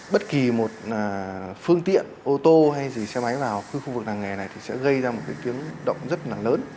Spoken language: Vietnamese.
bất kỳ một phương tiện ô tô hay gì xe máy vào khu vực làng nghề này thì sẽ gây ra một cái tiếng động rất là lớn